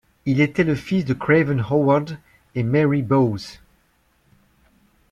Il était le fils de Craven Howard et Mary Bowes.